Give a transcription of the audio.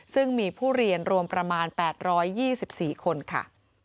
ซึ่งมีผู้เรียนรวมประมาณ๘๒๔คนค่ะ